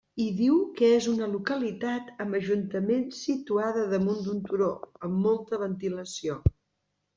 Hi diu que és una localitat amb ajuntament situada damunt d'un turó, amb molta ventilació.